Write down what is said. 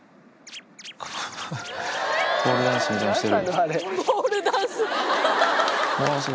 ポールダンスみたいなのしてる。